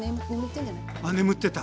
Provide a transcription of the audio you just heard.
あ眠ってた。